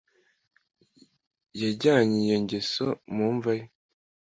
Yajyanye iyo ngeso mu mva ye